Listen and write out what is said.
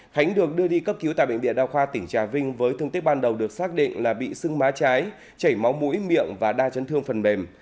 khánh được đưa đi cấp cứu tại bệnh viện đa khoa tỉnh trà vinh với thương tích ban đầu được xác định là bị sưng má trái chảy máu mũi miệng và đa chấn thương phần mềm